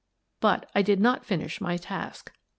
But I did not finish my task.